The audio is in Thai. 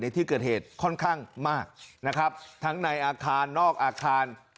ที่เกิดเหตุค่อนข้างมากนะครับทั้งในอาคารนอกอาคาร